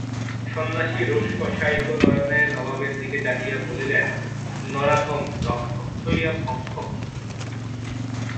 সন্ন্যাসী রোষকষায়িতনয়নে নবাবের দিকে চাহিয়া বলিলেন-নরাধম, রক্ষক হইয়া ভক্ষক?